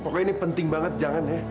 pokoknya ini penting banget jangan ya